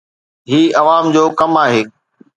هي عوام جو ڪم آهي